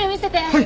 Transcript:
はい。